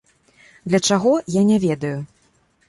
Для чаго, я не ведаю.